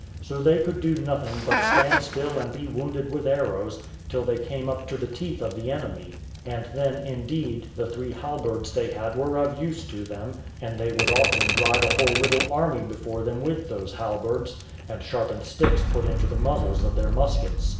So they could do nothing but stand still and be wounded with arrows, till they came up to the teeth of the enemy; and then, indeed, the three halberds they had were of use to them; and they would often drive a whole little army before them with those halberds, and sharpened sticks put into the muzzles of their muskets.